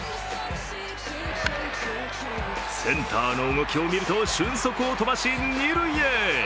センターの動きを見ると俊足を飛ばし二塁へ。